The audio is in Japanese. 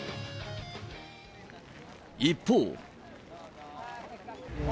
一方。